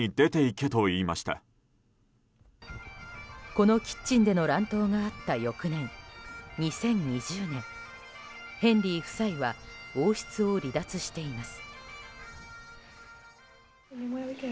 このキッチンでの乱闘があった翌年２０２０年、ヘンリー夫妻は王室を離脱しています。